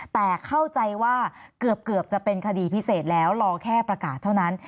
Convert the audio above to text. แต่เข้าใจว่าเกือบจะเป็นคดีพิเศษแล้วรอแค่ประกาศเท่านั้น